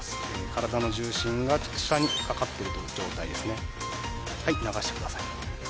体の重心が下にかかっている状態です。